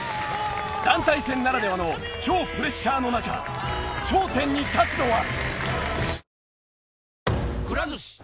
団体戦ならではの超プレッシャーの中頂点に立つのは？